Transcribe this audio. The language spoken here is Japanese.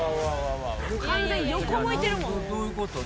完全横向いてるもんね。